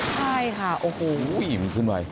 ใช่ค่ะโอ้โหอิ่มขึ้นเลย